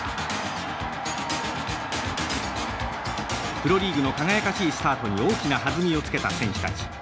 プロリーグの輝かしいスタートに大きな弾みをつけた選手たち。